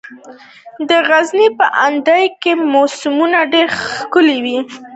د غزني په اندړ کې د مسو نښې شته.